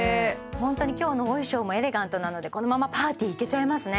ホントに今日のお衣装もエレガントなのでこのままパーティー行けちゃいますね